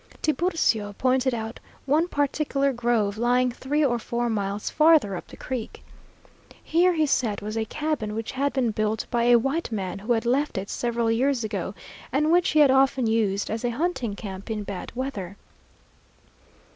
Tiburcio pointed out one particular grove lying three or four miles farther up the creek. Here he said was a cabin which had been built by a white man who had left it several years ago, and which he had often used as a hunting camp in bad weather.